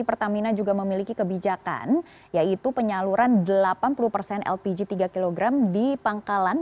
pertamina juga memiliki kebijakan yaitu penyaluran delapan puluh lpg tiga kg di pangkalan